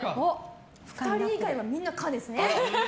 ２人以外はみんな可ですね。